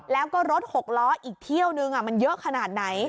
แล้วก็รถหกล้ออีกเที่ยวนึงมันเยอะขนาดไหน